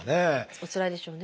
おつらいでしょうね。